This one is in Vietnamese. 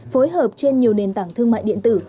phối hợp trên nhiều nền tảng thương mại điện tử